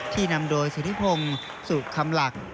ที่นำโดยสิทธิพงศ์สู่คำหลัก